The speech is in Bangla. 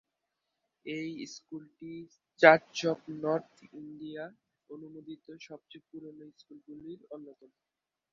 এই স্কুলটি চার্চ অফ নর্থ ইন্ডিয়া অনুমোদিত সবচেয়ে পুরনো স্কুলগুলির অন্যতম।